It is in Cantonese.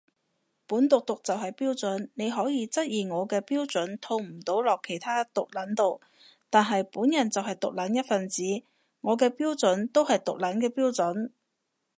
本毒毒就係標準，你可以質疑我嘅標準套唔到落其他毒撚度，但係本人就係毒撚一份子，我嘅標準都係毒撚嘅標準